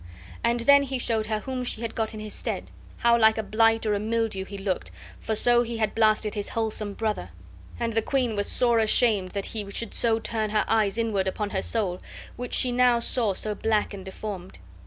And then be showed her whom she had got in his stead; how like a blight or a mildew he looked, for so he had blasted his wholesome brother. And the queen was sore ashamed that he should so turn her eyes inward upon her soul, which she now saw so black and deformed.